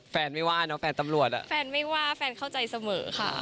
แฟนไม่ว่าเนอะแฟนตำรวจอ่ะแฟนไม่ว่าแฟนเข้าใจเสมอค่ะ